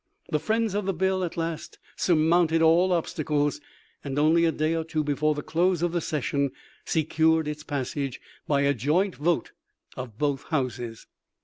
The friends of the bill at last surmounted all obstacles, and only a day or two before the close of the session secured its passage by a joint vote of both houses.